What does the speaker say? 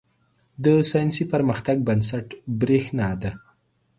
• د ساینسي پرمختګ بنسټ برېښنا ده.